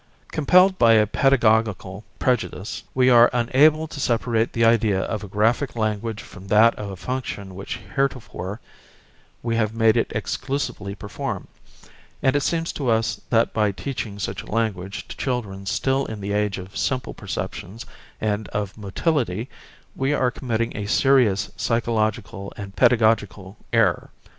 Compelled by a pedagogical prejudice we are unable to separate the idea of a graphic language from that of a function which heretofore we have made it exclusively perform; and it seems to us that by teaching such a language to children still in the age of simple perceptions and of motility we are committing a serious psychological and pedagogical error.